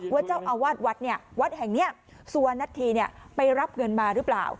ว่าเจ้าอาวาศวัดแห่งนี้ซัวร์หน้าทีไปรับเงินมาหรือเปล่า